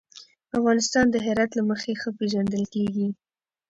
افغانستان د هرات له مخې ښه پېژندل کېږي.